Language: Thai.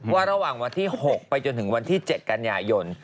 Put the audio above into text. ระหว่างวันที่๖ไปจนถึงวันที่๗กันยายน